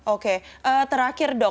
oke terakhir dok